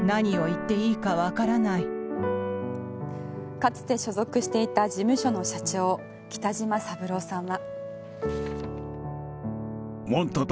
かつて所属していた事務所の社長北島三郎さんは。